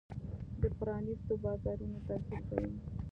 د پرانېستو بازارونو تمثیل کوي.